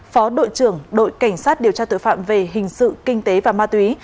phó đội trưởng đội cảnh sát điều tra tội phạm về hình sự kinh tế và ma túy